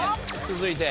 続いて。